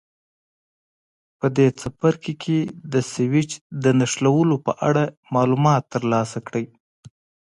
په دې څپرکي کې د سویچ د نښلولو په اړه معلومات ترلاسه کړئ.